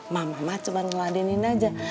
mama cuma ngeladenin aja